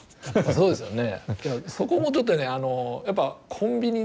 そうですね。